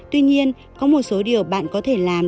tuy nhiên có một số điều bạn có thể làm